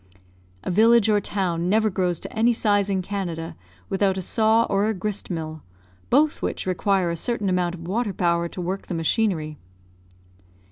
A village or town never grows to any size in Canada without a saw or a grist mill, both which require a certain amount of water power to work the machinery.